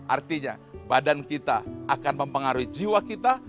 artinya badan kita akan mempengaruhi jiwa kita